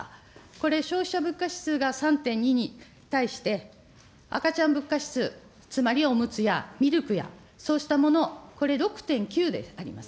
これ、消費者物価指数が３．２に対して、赤ちゃん物価指数、つまりおむつやミルクや、そうしたもの、これ、６．９であります。